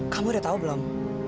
kamu udah tau belum